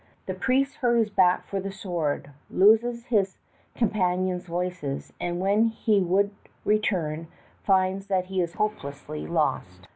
The priest hurries back for the sword, loses his companions' voices, and when he would return, finds that he is hopelessly lost.